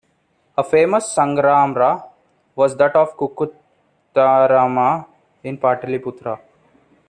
A famous sangharama was that of Kukkutarama in Pataliputra.